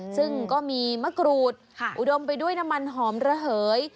ซึ่งก็มีมะกรูดอุดมไปด้วยน้ำมันหอมระเหย